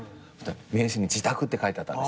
名刺に「自宅」って書いてあった。